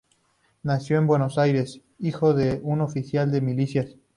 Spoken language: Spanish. Nació en Buenos Aires, hijo de un oficial de milicias.